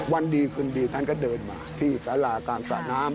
วันดีคืนดีท่านก็เดินมาที่สารากลางสระน้ำ